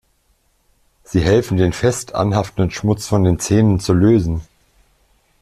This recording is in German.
Sie helfen, den fest anhaftenden Schmutz von den Zähnen zu lösen.